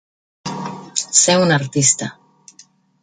Ser un artista.